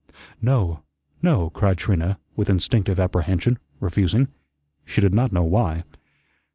"No, no," cried Trina, with instinctive apprehension, refusing, she did not know why.